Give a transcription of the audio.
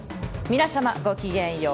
皆さま、ごきげんよう。